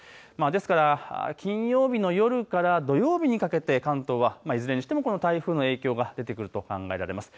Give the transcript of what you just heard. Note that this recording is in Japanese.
ですから金曜日の夜から土曜日にかけて関東は台風の影響が出てくると考えられます。